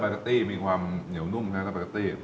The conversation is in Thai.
ทะเลสปาเกอตตี้มีความเหนียวนุ่มทะเลสปาเกอตตี้